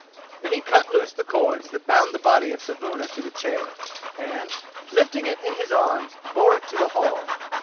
Then he cut loose the cords that bound the body of Saevuna to the chair, and, lifting it in his arms, bore it to the hall.